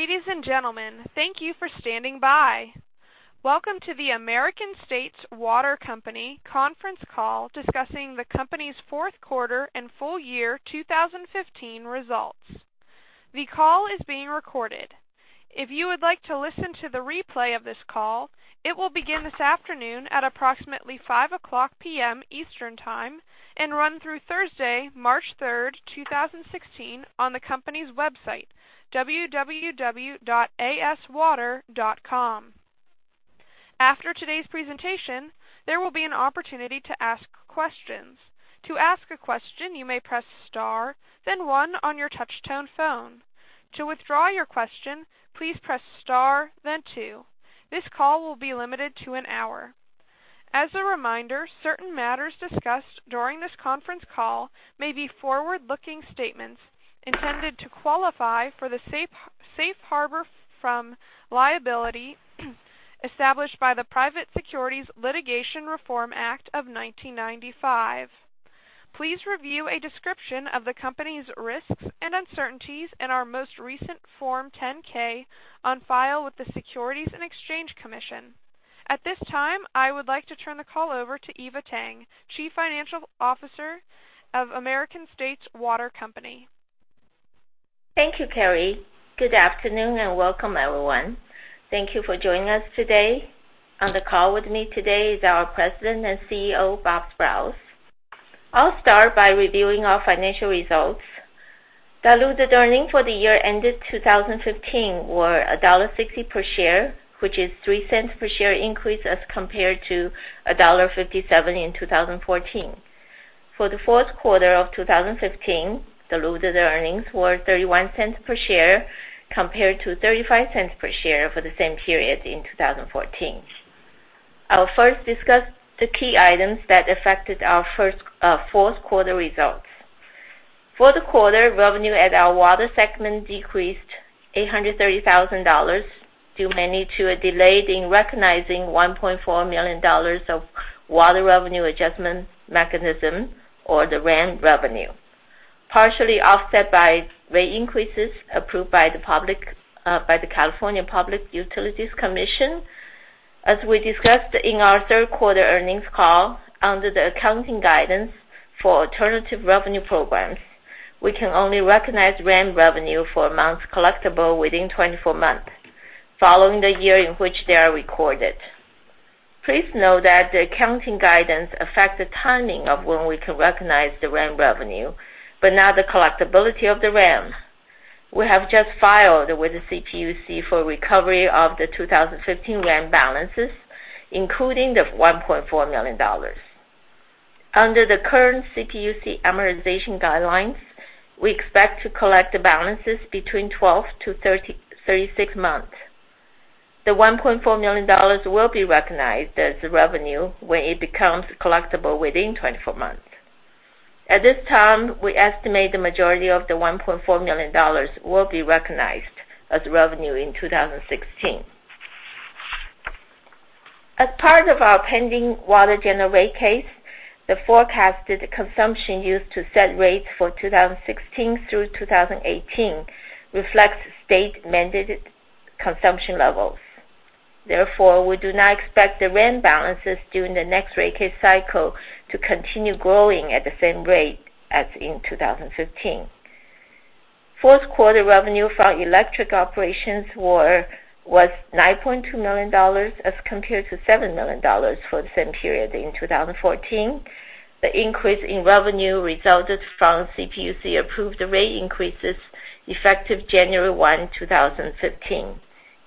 Ladies and gentlemen, thank you for standing by. Welcome to the American States Water Company conference call discussing the company's fourth quarter and full year 2015 results. The call is being recorded. If you would like to listen to the replay of this call, it will begin this afternoon at approximately 5:00 P.M. Eastern Time and run through Thursday, March 3rd, 2016 on the company's website, www.aswater.com. After today's presentation, there will be an opportunity to ask questions. To ask a question, you may press star then one on your touchtone phone. To withdraw your question, please press star then two. This call will be limited to an hour. As a reminder, certain matters discussed during this conference call may be forward-looking statements intended to qualify for the safe harbor from liability established by the Private Securities Litigation Reform Act of 1995. Please review a description of the company's risks and uncertainties in our most recent Form 10-K on file with the Securities and Exchange Commission. At this time, I would like to turn the call over to Eva Tang, Chief Financial Officer of American States Water Company. Thank you, Carrie. Good afternoon and welcome everyone. Thank you for joining us today. On the call with me today is our President and CEO, Bob Sprowls. I'll start by reviewing our financial results. Diluted earnings for the year ended 2015 were $1.60 per share, which is $0.03 per share increase as compared to $1.57 in 2014. For the fourth quarter of 2015, diluted earnings were $0.31 per share compared to $0.35 per share for the same period in 2014. I'll first discuss the key items that affected our fourth quarter results. For the quarter, revenue at our water segment decreased $830,000, due mainly to a delay in recognizing $1.4 million of Water Revenue Adjustment Mechanism, or the WRAM revenue, partially offset by rate increases approved by the California Public Utilities Commission. As we discussed in our third quarter earnings call, under the accounting guidance for alternative revenue programs, we can only recognize WRAM revenue for amounts collectible within 24 months following the year in which they are recorded. Please note that the accounting guidance affects the timing of when we can recognize the WRAM revenue, but not the collectibility of the WRAM. We have just filed with the CPUC for recovery of the 2015 WRAM balances, including the $1.4 million. Under the current CPUC amortization guidelines, we expect to collect the balances between 12 to 36 months. The $1.4 million will be recognized as revenue when it becomes collectible within 24 months. At this time, we estimate the majority of the $1.4 million will be recognized as revenue in 2016. As part of our pending water general rate case, the forecasted consumption used to set rates for 2016 through 2018 reflects state mandated consumption levels. Therefore, we do not expect the WRAM balances during the next rate case cycle to continue growing at the same rate as in 2015. Fourth quarter revenue from electric operations was $9.2 million as compared to $7 million for the same period in 2014. The increase in revenue resulted from CPUC approved rate increases effective January 1, 2015,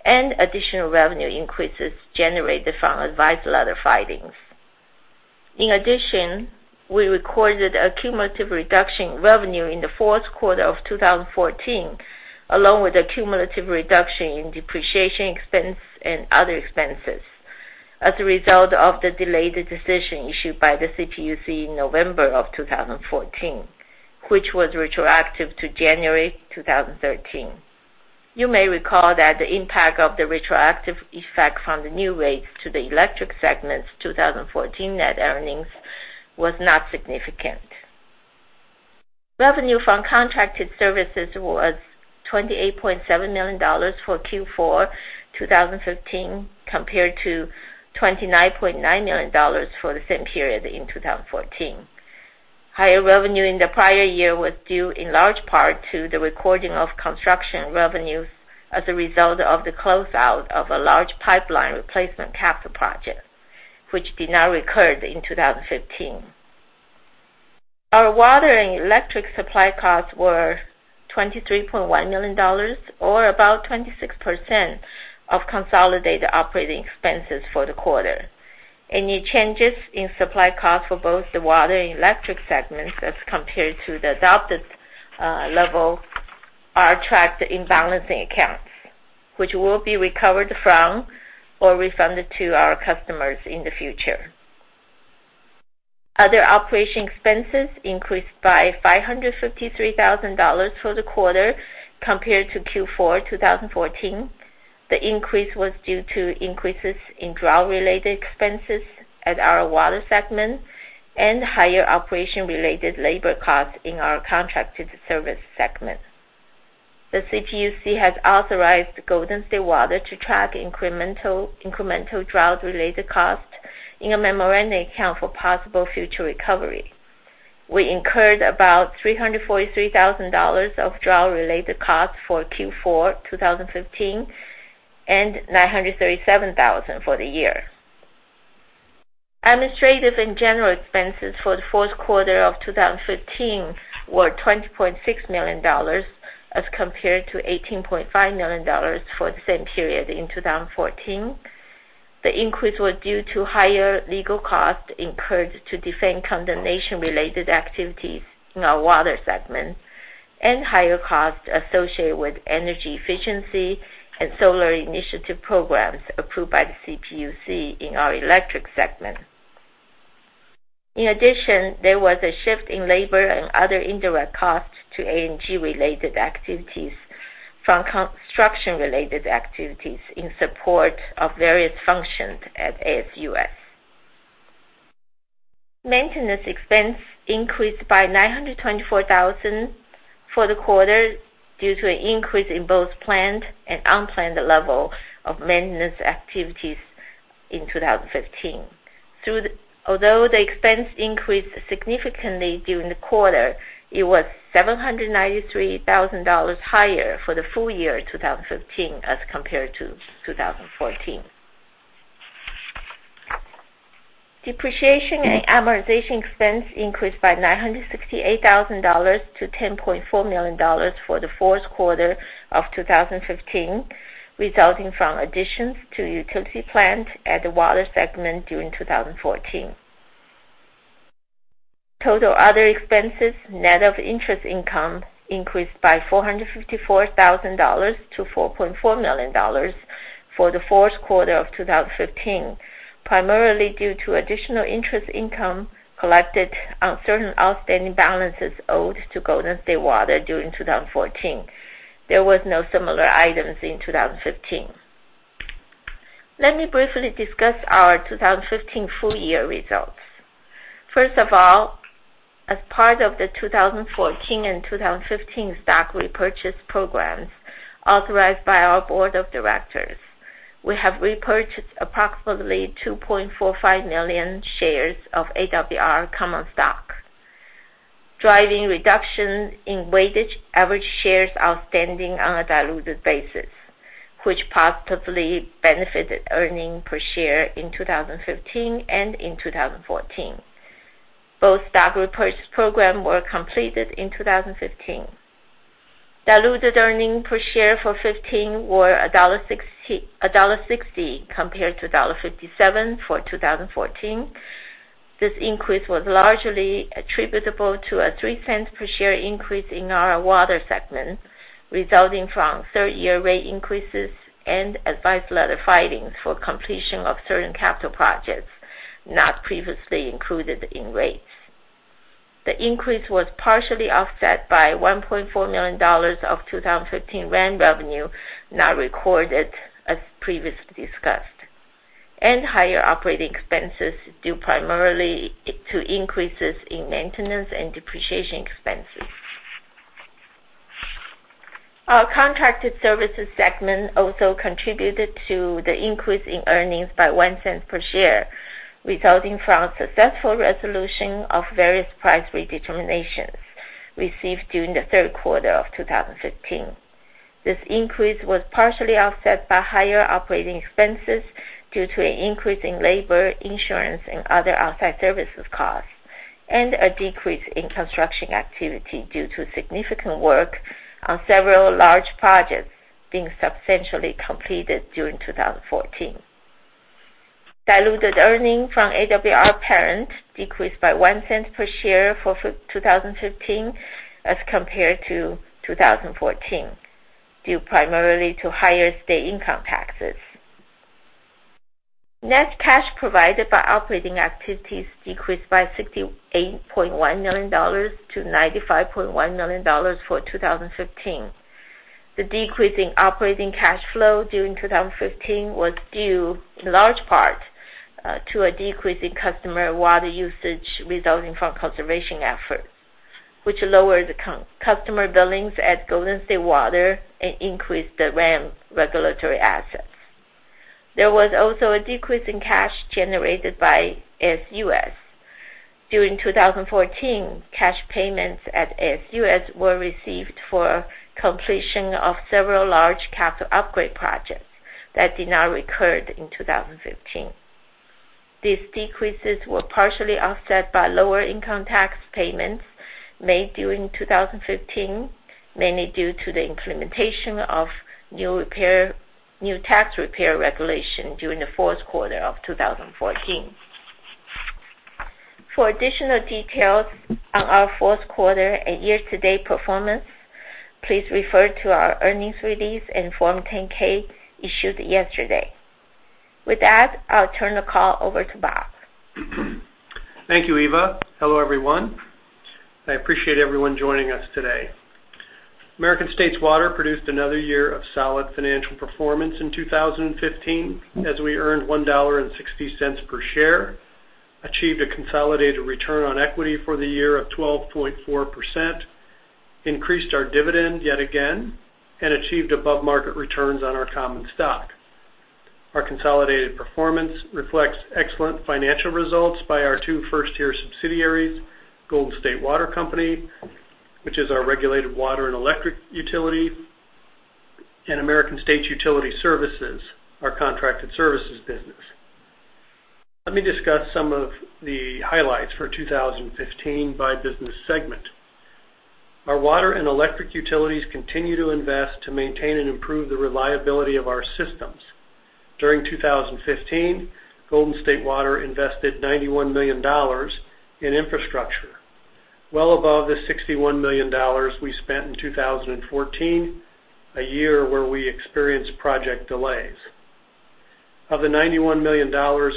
and additional revenue increases generated from advisory letter filings. In addition, we recorded a cumulative reduction in revenue in the fourth quarter of 2014, along with a cumulative reduction in depreciation expense and other expenses as a result of the delayed decision issued by the CPUC in November of 2014, which was retroactive to January 2013. You may recall that the impact of the retroactive effect from the new rates to the electric segment's 2014 net earnings was not significant. Revenue from contracted services was $28.7 million for Q4 2015, compared to $29.9 million for the same period in 2014. Higher revenue in the prior year was due in large part to the recording of construction revenues as a result of the closeout of a large pipeline replacement capital project, which did not recur in 2015. Our water and electric supply costs were $23.1 million, or about 26% of consolidated operating expenses for the quarter. Any changes in supply costs for both the water and electric segments as compared to the adopted level are tracked in balancing accounts, which will be recovered from or refunded to our customers in the future. Other operation expenses increased by $553,000 for the quarter compared to Q4 2014. The increase was due to increases in drought-related expenses at our water segment. Higher operation-related labor costs in our contracted service segment. The CPUC has authorized Golden State Water to track incremental drought-related costs in a memorandum account for possible future recovery. We incurred about $343,000 of drought-related costs for Q4 2015 and $937,000 for the year. Administrative and general expenses for the fourth quarter of 2015 were $20.6 million as compared to $18.5 million for the same period in 2014. The increase was due to higher legal costs incurred to defend condemnation-related activities in our water segment, and higher costs associated with energy efficiency and solar initiative programs approved by the CPUC in our electric segment. In addition, there was a shift in labor and other indirect costs to A&G-related activities from construction-related activities in support of various functions at ASUS. Maintenance expense increased by $924,000 for the quarter due to an increase in both planned and unplanned level of maintenance activities in 2015. Although the expense increased significantly during the quarter, it was $793,000 higher for the full year 2015 as compared to 2014. Depreciation and amortization expense increased by $968,000 to $10.4 million for the fourth quarter of 2015, resulting from additions to utility plant at the water segment during 2014. Total other expenses, net of interest income, increased by $454,000 to $4.4 million for the fourth quarter of 2015, primarily due to additional interest income collected on certain outstanding balances owed to Golden State Water during 2014. There was no similar items in 2015. Let me briefly discuss our 2015 full year results. First of all, as part of the 2014 and 2015 stock repurchase programs authorized by our board of directors, we have repurchased approximately 2.45 million shares of AWR common stock, driving reductions in weighted average shares outstanding on a diluted basis, which positively benefited earnings per share in 2015 and in 2014. Both stock repurchase program were completed in 2015. Diluted earnings per share for 2015 were $1.60 compared to $1.57 for 2014. This increase was largely attributable to a $0.03 per share increase in our water segment, resulting from third-year rate increases and advice letter filings for completion of certain capital projects not previously included in rates. The increase was partially offset by $1.4 million of 2015 WRAM revenue not recorded as previously discussed, and higher operating expenses due primarily to increases in maintenance and depreciation expenses. Our contracted services segment also contributed to the increase in earnings by $0.01 per share, resulting from successful resolution of various price redeterminations received during the third quarter of 2015. This increase was partially offset by higher operating expenses due to an increase in labor, insurance, and other outside services costs, and a decrease in construction activity due to significant work on several large projects being substantially completed during 2014. Diluted earnings from AWR Parent decreased by $0.01 per share for 2015 as compared to 2014, due primarily to higher state income taxes. Net cash provided by operating activities decreased by $68.1 million to $95.1 million for 2015. The decrease in operating cash flow during 2015 was due in large part to a decrease in customer water usage resulting from conservation efforts, which lowered customer billings at Golden State Water and increased the WRAM regulatory assets. There was also a decrease in cash generated by ASUS. During 2014, cash payments at ASUS were received for completion of several large capital upgrade projects that did not recur in 2015. These decreases were partially offset by lower income tax payments made during 2015, mainly due to the implementation of new tax repair regulation during the fourth quarter of 2014. For additional details on our fourth quarter and year-to-date performance, please refer to our earnings release and Form 10-K issued yesterday. With that, I'll turn the call over to Bob. Thank you, Eva. Hello, everyone. I appreciate everyone joining us today. American States Water produced another year of solid financial performance in 2015, as we earned $1.60 per share, achieved a consolidated return on equity for the year of 12.4%, increased our dividend yet again, and achieved above-market returns on our common stock. Our consolidated performance reflects excellent financial results by our two first-tier subsidiaries, Golden State Water Company, which is our regulated water and electric utility, and American States Utility Services, our contracted services business. Let me discuss some of the highlights for 2015 by business segment. Our water and electric utilities continue to invest to maintain and improve the reliability of our systems. During 2015, Golden State Water invested $91 million in infrastructure, well above the $61 million we spent in 2014, a year where we experienced project delays. Of the $91 million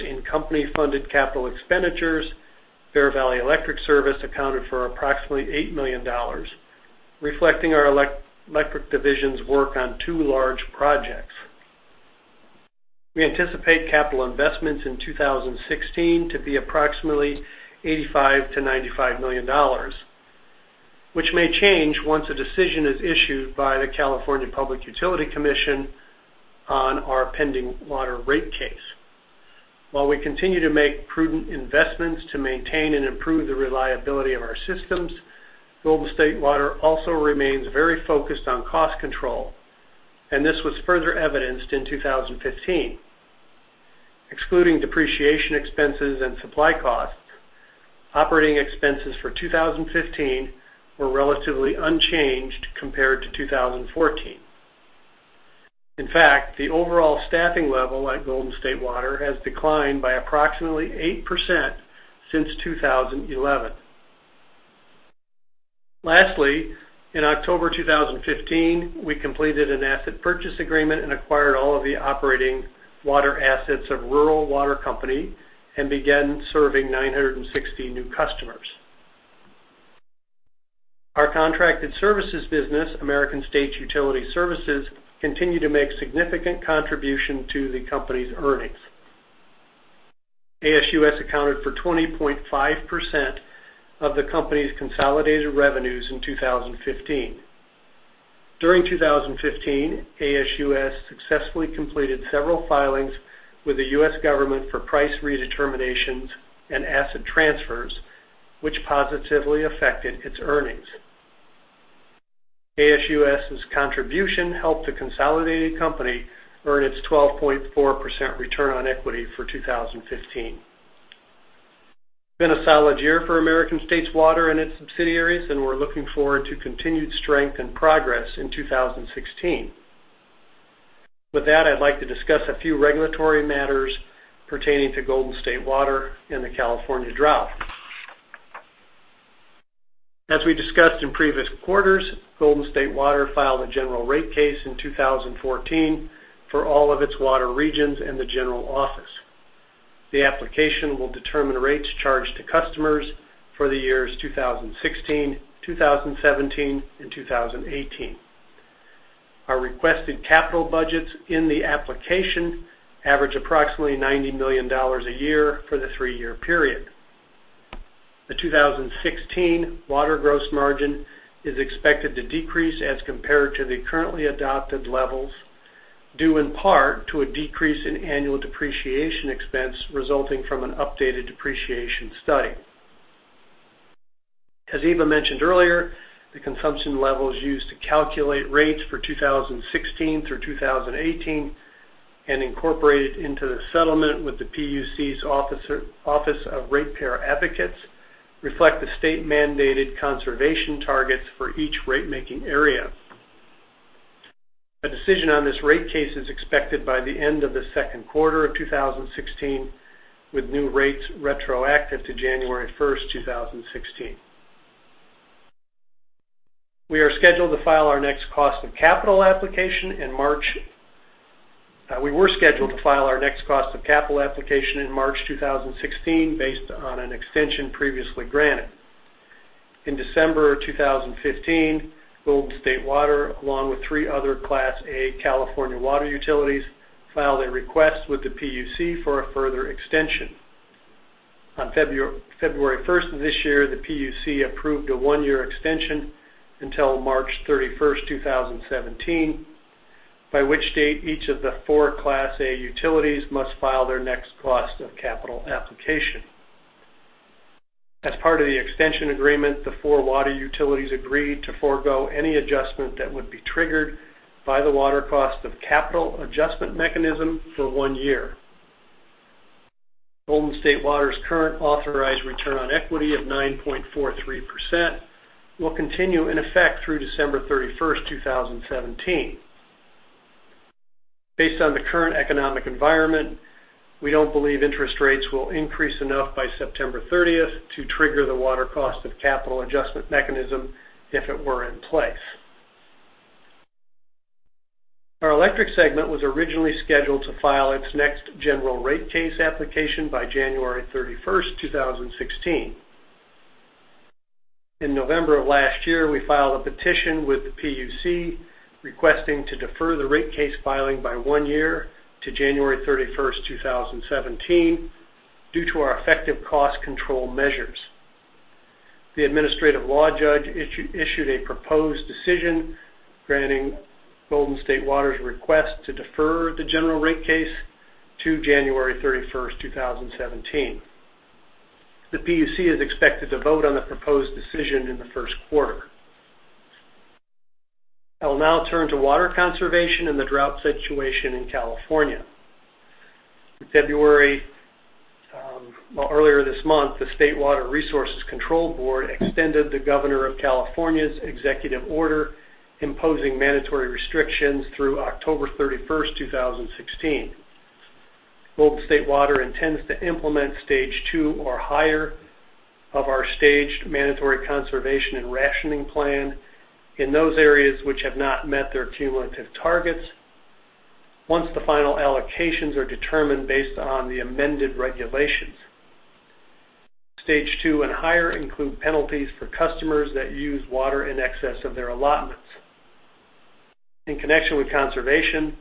in company-funded capital expenditures, Bear Valley Electric Service accounted for approximately $8 million, reflecting our electric division's work on two large projects. We anticipate capital investments in 2016 to be approximately $85 million-$95 million, which may change once a decision is issued by the California Public Utilities Commission on our pending water rate case. While we continue to make prudent investments to maintain and improve the reliability of our systems, Golden State Water also remains very focused on cost control, and this was further evidenced in 2015. Excluding depreciation expenses and supply costs, operating expenses for 2015 were relatively unchanged compared to 2014. In fact, the overall staffing level at Golden State Water has declined by approximately 8% since 2011. In October 2015, we completed an asset purchase agreement and acquired all of the operating water assets of Rural Water Company and began serving 960 new customers. Our contracted services business, American States Utility Services, continues to make significant contribution to the company's earnings. ASUS accounted for 20.5% of the company's consolidated revenues in 2015. During 2015, ASUS successfully completed several filings with the U.S. government for price redeterminations and asset transfers, which positively affected its earnings. ASUS's contribution helped the consolidated company earn its 12.4% return on equity for 2015. It has been a solid year for American States Water and its subsidiaries, and we're looking forward to continued strength and progress in 2016. With that, I'd like to discuss a few regulatory matters pertaining to Golden State Water and the California drought. As we discussed in previous quarters, Golden State Water filed a general rate case in 2014 for all of its water regions and the general office. The application will determine rates charged to customers for the years 2016, 2017, and 2018. Our requested capital budgets in the application average approximately $90 million a year for the three-year period. The 2016 water gross margin is expected to decrease as compared to the currently adopted levels, due in part to a decrease in annual depreciation expense resulting from an updated depreciation study. As Eva mentioned earlier, the consumption levels used to calculate rates for 2016 through 2018 and incorporated into the settlement with the PUC's Office of Ratepayer Advocates reflect the state-mandated conservation targets for each rate-making area. A decision on this rate case is expected by the end of the second quarter of 2016, with new rates retroactive to January 1st, 2016. We were scheduled to file our next Cost of Capital application in March 2016 based on an extension previously granted. In December 2015, Golden State Water, along with three other Class A California water utilities, filed a request with the PUC for a further extension. On February 1st of this year, the PUC approved a one-year extension until March 31st, 2017, by which date each of the four Class A utilities must file their next Cost of Capital application. As part of the extension agreement, the four water utilities agreed to forgo any adjustment that would be triggered by the Water Cost of Capital Adjustment Mechanism for one year. Golden State Water's current authorized return on equity of 9.43% will continue in effect through December 31st, 2017. Based on the current economic environment, we don't believe interest rates will increase enough by September 30th to trigger the Water Cost of Capital Adjustment Mechanism if it were in place. Our electric segment was originally scheduled to file its next general rate case application by January 31st, 2016. In November of last year, we filed a petition with the PUC requesting to defer the rate case filing by one year to January 31st, 2017, due to our effective cost control measures. The administrative law judge issued a proposed decision granting Golden State Water's request to defer the general rate case to January 31st, 2017. The PUC is expected to vote on the proposed decision in the first quarter. I will now turn to water conservation and the drought situation in California. In February, well earlier this month, the State Water Resources Control Board extended the Governor of California's executive order imposing mandatory restrictions through October 31st, 2016. Golden State Water intends to implement stage 2 or higher of our staged mandatory conservation and rationing plan in those areas which have not met their cumulative targets, once the final allocations are determined based on the amended regulations. Stage 2 and higher include penalties for customers that use water in excess of their allotments. In connection with conservation,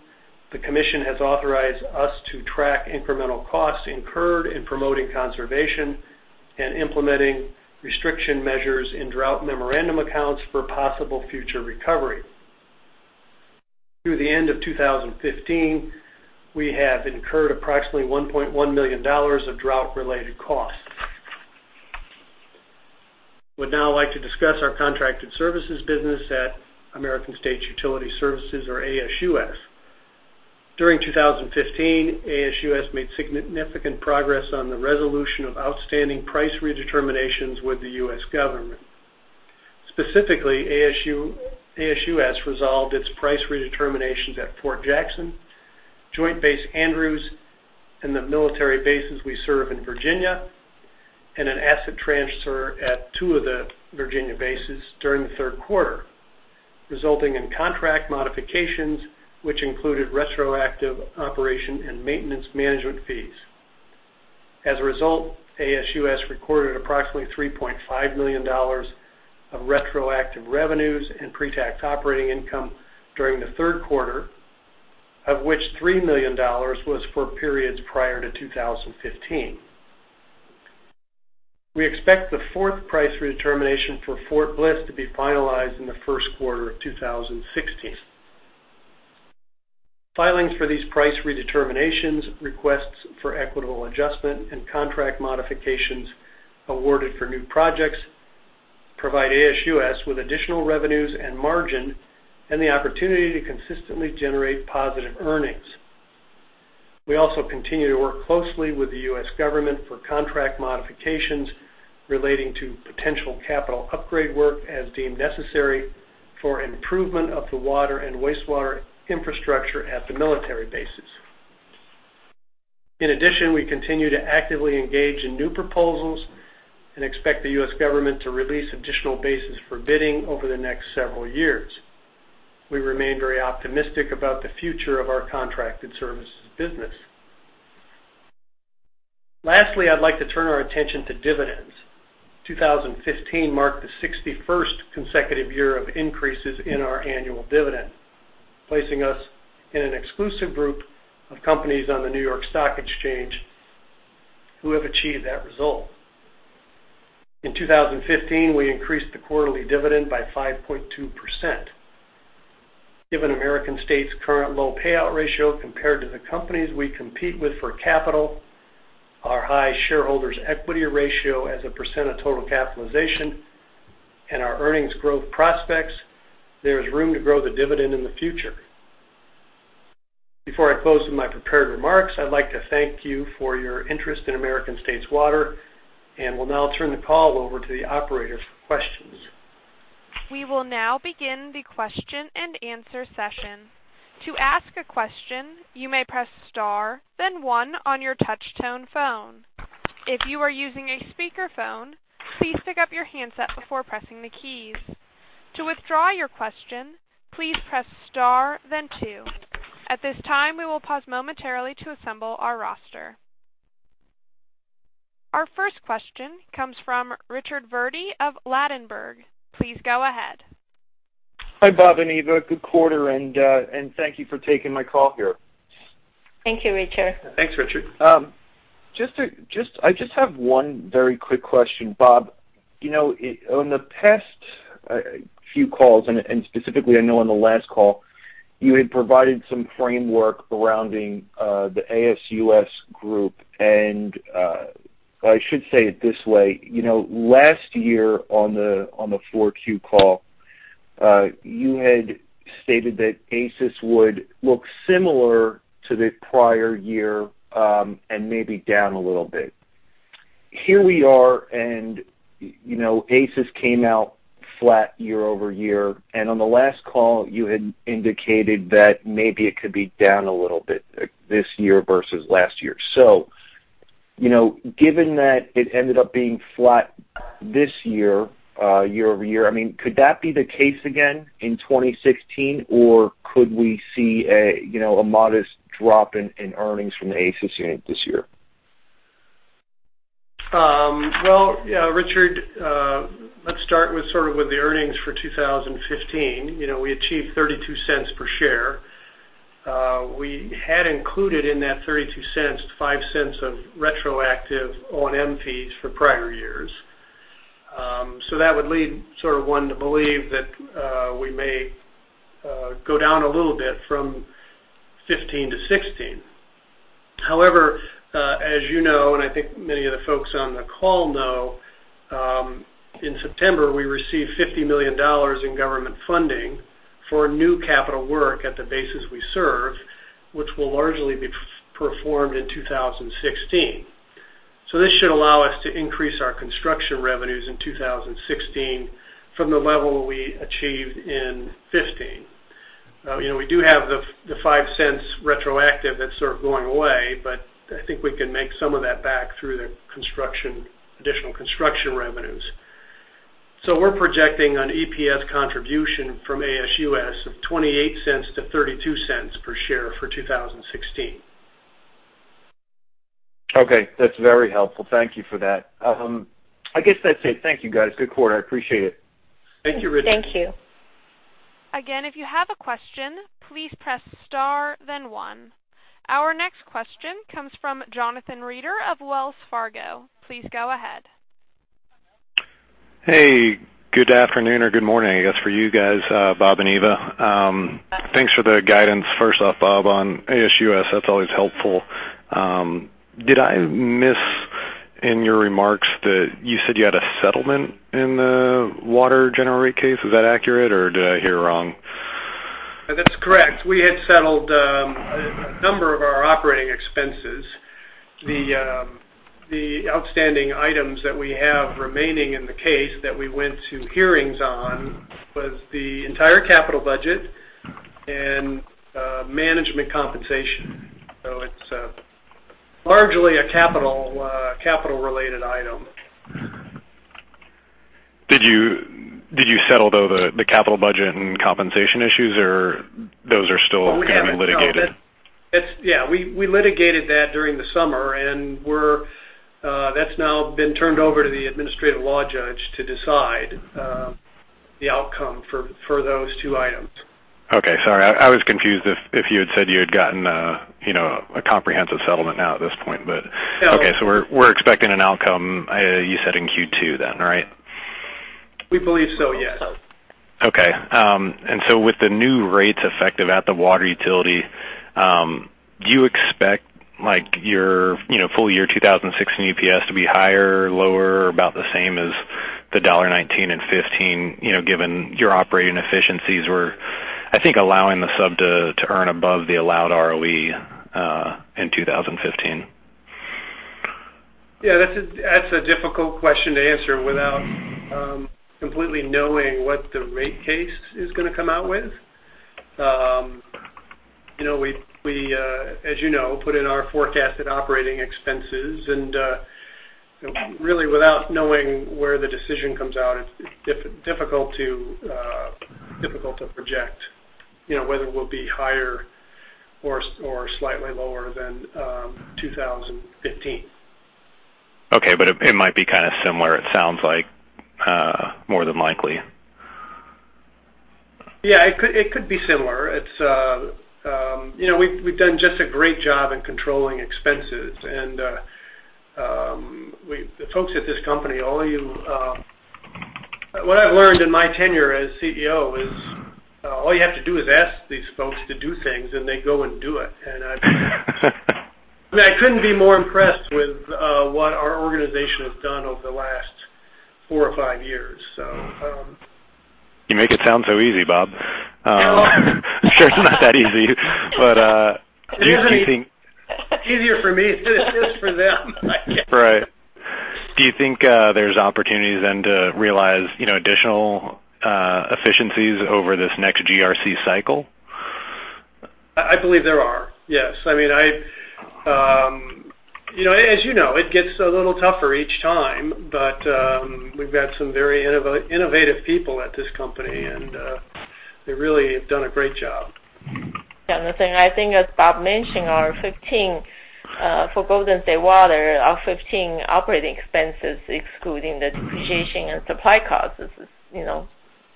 the commission has authorized us to track incremental costs incurred in promoting conservation and implementing restriction measures in drought memorandum accounts for possible future recovery. Through the end of 2015, we have incurred approximately $1.1 million of drought-related costs. I would now like to discuss our contracted services business at American States Utility Services or ASUS. During 2015, ASUS made significant progress on the resolution of outstanding price redeterminations with the U.S. government. Specifically, ASUS resolved its price redeterminations at Fort Jackson, Joint Base Andrews, and the military bases we serve in Virginia, and an asset transfer at two of the Virginia bases during the third quarter, resulting in contract modifications which included retroactive operation and maintenance management fees. As a result, ASUS recorded approximately $3.5 million of retroactive revenues and pre-tax operating income during the third quarter, of which $3 million was for periods prior to 2015. We expect the fourth price redetermination for Fort Bliss to be finalized in the first quarter of 2016. Filings for these price redeterminations, requests for equitable adjustment, and contract modifications awarded for new projects provide ASUS with additional revenues and margin and the opportunity to consistently generate positive earnings. We also continue to work closely with the U.S. government for contract modifications relating to potential capital upgrade work as deemed necessary for improvement of the water and wastewater infrastructure at the military bases. In addition, we continue to actively engage in new proposals and expect the U.S. government to release additional bases for bidding over the next several years. We remain very optimistic about the future of our contracted services business. Lastly, I'd like to turn our attention to dividends. 2015 marked the 61st consecutive year of increases in our annual dividend, placing us in an exclusive group of companies on the New York Stock Exchange who have achieved that result. In 2015, we increased the quarterly dividend by 5.2%. Given American States' current low payout ratio compared to the companies we compete with for capital, our high shareholders' equity ratio as a % of total capitalization, and our earnings growth prospects, there is room to grow the dividend in the future. Before I close with my prepared remarks, I'd like to thank you for your interest in American States Water, and will now turn the call over to the operator for questions. We will now begin the question and answer session. To ask a question, you may press star then one on your touchtone phone. If you are using a speakerphone, please pick up your handset before pressing the keys. To withdraw your question, please press star then two. At this time, we will pause momentarily to assemble our roster. Our first question comes from Richard Verdi of Ladenburg. Please go ahead. Hi, Bob and Eva. Good quarter, and thank you for taking my call here. Thank you, Richard. Thanks, Richard. I just have one very quick question, Bob. On the past few calls, and specifically I know on the last call, you had provided some framework surrounding the ASUS group. I should say it this way. Last year on the Q4 call, you had stated that ASUS would look similar to the prior year, and maybe down a little bit. Here we are, and ASUS came out flat year-over-year, and on the last call, you had indicated that maybe it could be down a little bit this year versus last year. Given that it ended up being flat this year-over-year, could that be the case again in 2016? Or could we see a modest drop in earnings from the ASUS unit this year? Well, Richard, let's start with the earnings for 2015. We achieved $0.32 per share. We had included in that $0.32, $0.05 of retroactive O&M fees for prior years. That would lead one to believe that we may go down a little bit from 2015 to 2016. However, as you know, and I think many of the folks on the call know, in September, we received $50 million in government funding for new capital work at the bases we serve, which will largely be performed in 2016. This should allow us to increase our construction revenues in 2016 from the level we achieved in 2015. We do have the $0.05 retroactive that's sort of going away, but I think we can make some of that back through the additional construction revenues. We're projecting an EPS contribution from ASUS of $0.28 to $0.32 per share for 2016. Okay. That's very helpful. Thank you for that. I guess that's it. Thank you, guys. Good quarter. I appreciate it. Thank you, Richard. Thank you. Again, if you have a question, please press star then one. Our next question comes from Jonathan Reeder of Wells Fargo. Please go ahead. Hey, good afternoon or good morning, I guess, for you guys, Bob and Eva. Thanks for the guidance, first off, Bob, on ASUS, that's always helpful. Did I miss in your remarks that you said you had a settlement in the water general rate case? Is that accurate, or did I hear wrong? That's correct. We had settled a number of our operating expenses. The outstanding items that we have remaining in the case that we went to hearings on was the entire capital budget and management compensation. It's largely a capital-related item. Did you settle, though, the capital budget and compensation issues, or those are still going to be litigated? Yeah, we litigated that during the summer, that's now been turned over to the administrative law judge to decide the outcome for those two items. Okay, sorry. I was confused if you had said you had gotten a comprehensive settlement now at this point. No. Okay, we're expecting an outcome, you said, in Q2 then, right? We believe so, yes. Okay. With the new rates effective at the water utility, do you expect your full year 2016 EPS to be higher, lower, about the same as the $1.19 in 2015, given your operating efficiencies were, I think, allowing the sub to earn above the allowed ROE in 2015? That's a difficult question to answer without completely knowing what the rate case is going to come out with. We, as you know, put in our forecasted operating expenses, really without knowing where the decision comes out, it's difficult to project whether we'll be higher or slightly lower than 2015. It might be kind of similar, it sounds like, more than likely. It could be similar. We've done just a great job in controlling expenses, the folks at this company, what I've learned in my tenure as CEO is all you have to do is ask these folks to do things, and they go and do it. I couldn't be more impressed with what our organization has done over the last four or five years. You make it sound so easy, Bob. Well. I'm sure it's not that easy, but do you think. It's easier for me; it's just for them, I guess. Right. Do you think there's opportunities then to realize additional efficiencies over this next GRC cycle? I believe there are, yes. As you know, it gets a little tougher each time, but we've got some very innovative people at this company, and they really have done a great job. As Bob mentioned, for Golden State Water, our 2015 operating expenses, excluding the depreciation and supply costs, has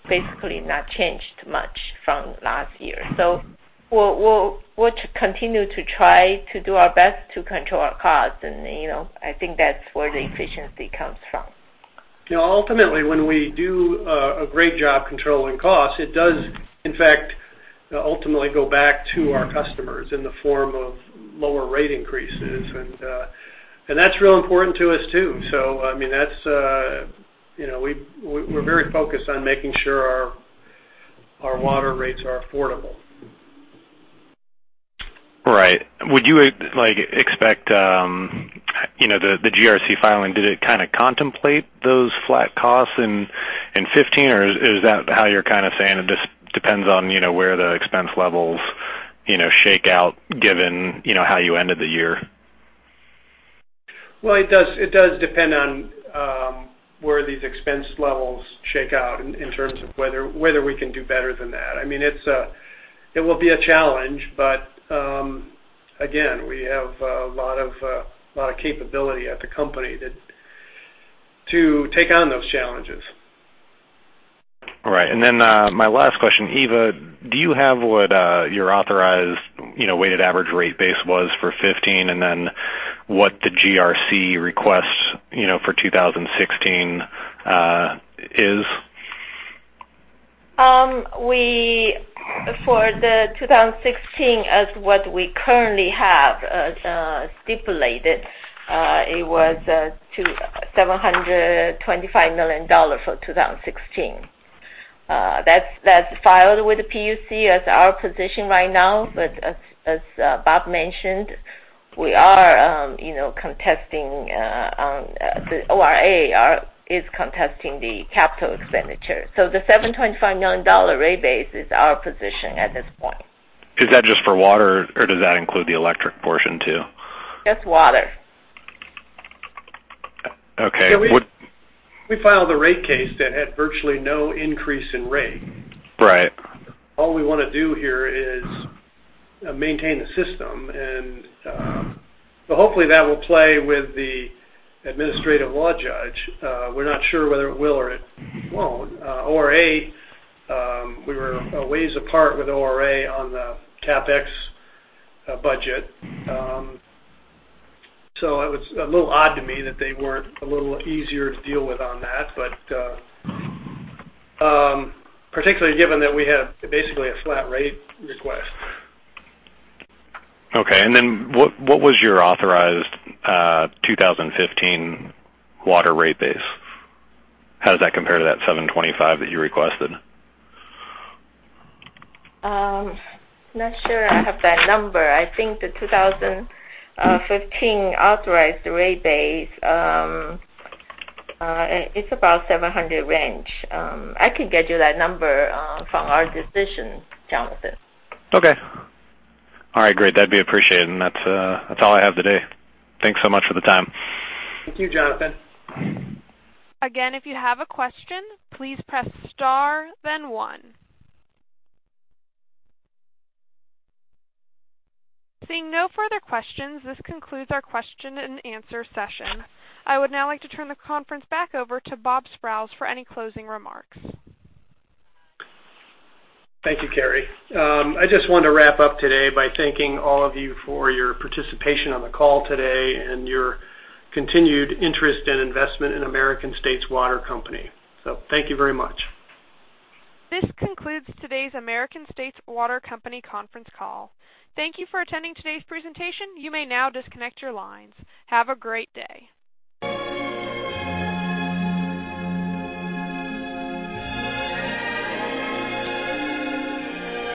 basically not changed much from last year. We'll continue to try to do our best to control our costs, and I think that's where the efficiency comes from. Ultimately, when we do a great job controlling costs, it does, in fact, ultimately go back to our customers in the form of lower rate increases, and that's real important to us, too. We're very focused on making sure our water rates are affordable. Right. Would you expect the GRC filing, did it kind of contemplate those flat costs in 2015, or is that how you're saying it just depends on where the expense levels shake out, given how you ended the year? It does depend on where these expense levels shake out in terms of whether we can do better than that. It will be a challenge, but again, we have a lot of capability at the company to take on those challenges. All right. My last question, Eva, do you have what your authorized weighted average rate base was for 2015, and what the GRC request for 2016 is? For the 2016, as what we currently have stipulated, it was $725 million for 2016. That's filed with the PUC as our position right now. As Bob mentioned, ORA is contesting the capital expenditure. The $725 million rate base is our position at this point. Is that just for water, or does that include the electric portion too? It's water. Okay. We filed a rate case that had virtually no increase in rate. Right. All we want to do here is maintain the system. Hopefully that will play with the administrative law judge. We're not sure whether it will or it won't. ORA, we were a ways apart with ORA on the CapEx budget. It was a little odd to me that they weren't a little easier to deal with on that, particularly given that we had basically a flat rate request. Okay. What was your authorized 2015 water rate base? How does that compare to that $725 that you requested? I'm not sure I have that number. I think the 2015 authorized rate base, it's about $700 range. I can get you that number from our decision, Jonathan. Okay. All right, great. That'd be appreciated. That's all I have today. Thanks so much for the time. Thank you, Jonathan. Again, if you have a question, please press star then one. Seeing no further questions, this concludes our question and answer session. I would now like to turn the conference back over to Bob Sprowls for any closing remarks. Thank you, Carrie. I just want to wrap up today by thanking all of you for your participation on the call today and your continued interest and investment in American States Water Company. Thank you very much. This concludes today's American States Water Company conference call. Thank you for attending today's presentation. You may now disconnect your lines. Have a great day.